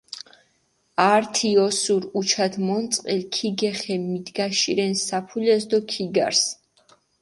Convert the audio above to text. ართი ოსური უჩათ მონწყილი ქიგეხე მიდგაშირენ საფულეს დო ქიგარს.